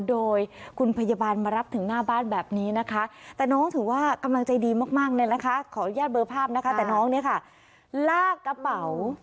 โดยคุณพยาบาลมารับถึงหน้าบ้านแบบนี้นะคะ